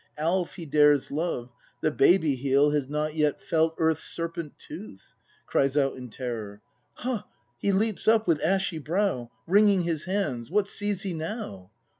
Alf he dares love : the baby heel Has not yet felt Earth's serpent tooth. [Cries out in terror.^ Ha! he leaps up with ashy brow! Wringing his hands! what sees he now!